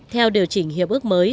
theo điều chỉnh hiệp ước mới